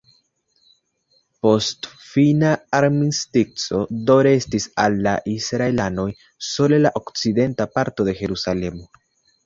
Post fina armistico do restis al la israelanoj sole la okcidenta parto de Jerusalemo.